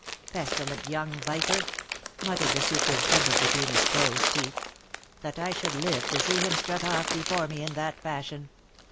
" Pestilent young viper !" muttered the superintendent between his closed teeth. ei That I should live to see him strut off before me in that fashion